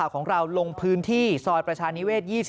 ของเราลงพื้นที่ซอยประชานิเวศ๒๕